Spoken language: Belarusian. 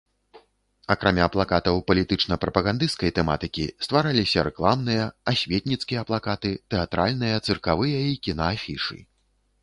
Акрамя плакатаў палітычна-прапагандысцкай тэматыкі, ствараліся рэкламныя, асветніцкія плакаты, тэатральныя, цыркавыя і кінаафішы.